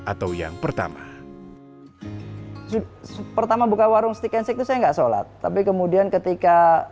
atau yang pertama pertama buka warung stick and stick itu saya enggak sholat tapi kemudian ketika